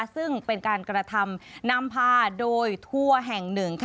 ซึ่งเป็นการกระทำนำพาโดยทัวร์แห่งหนึ่ง